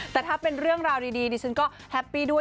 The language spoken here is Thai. แต่ถ้าเป็นเรื่องราวดีดิฉันก็แฮปปี้ด้วย